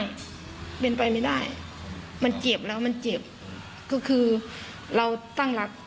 มันเป็นไปไม่ได้มันเจ็บแล้วมันเจ็บก็คือเราตั้งรัก